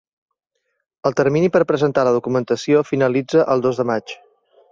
El termini per presentar la documentació finalitza el dos de maig.